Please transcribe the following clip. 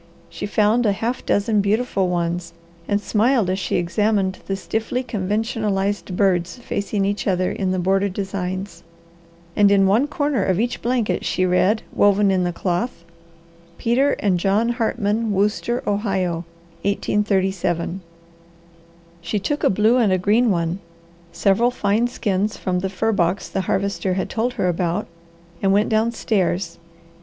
She found a half dozen beautiful ones, and smiled as she examined the stiffly conventionalized birds facing each other in the border designs, and in one corner of each blanket she read, woven in the cloth Peter and John Hartman Wooster Ohio 1837 She took a blue and a green one, several fine skins from the fur box the Harvester had told her about, and went downstairs.